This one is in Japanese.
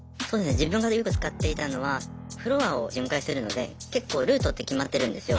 自分がよく使っていたのはフロアを巡回してるので結構ルートって決まってるんですよ。